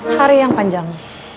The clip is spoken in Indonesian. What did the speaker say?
hari yang panjang